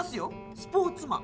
スポーツマン。